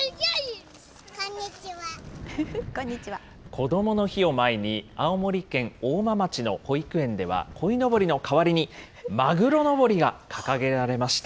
こどもの日を前に、青森県大間町の保育園では、こいのぼりの代わりにマグロのぼりが掲げられました。